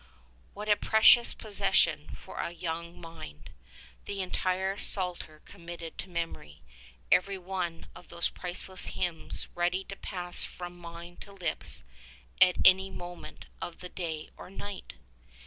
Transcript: What a precious possession for a young mind ! The entire psalter committed to memory — every one of those priceless 152 hymns ready to pass from mind to lips at any moment of the day or night